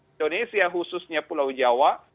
indonesia khususnya pulau jawa